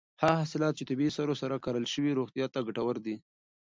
هغه حاصلات چې په طبیعي سرو سره کرل شوي روغتیا ته ګټور دي.